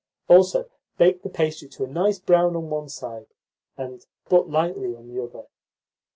Also, bake the pastry to a nice brown on one side, and but lightly on the other.